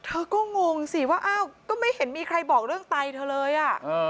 เธอก็งงสิว่าอ้าวก็ไม่เห็นมีใครบอกเรื่องไตเธอเลยอ่ะ